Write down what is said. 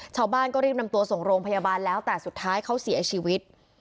ชาวบ้านก็รีบนำตัวส่งโรงพยาบาลแล้วแต่สุดท้ายเขาเสียชีวิต